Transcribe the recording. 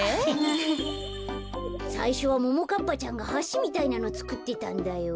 さいしょはももかっぱちゃんがはしみたいなのつくってたんだよ。